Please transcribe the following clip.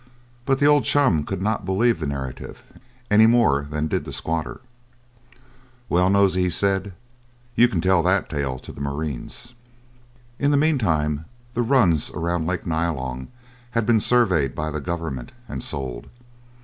But the old chum could not believe the narrative, any more than did the squatter. "Well, Nosey," he said, "you can tell that tale to the marines." In the meantime the runs around Lake Nyalong had been surveyed by the government and sold.